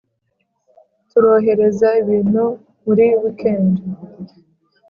turohereza ibintu muri weekend